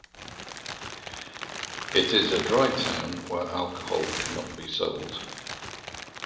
It is a dry town, where alcohol cannot be sold.